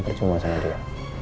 percuma sama dia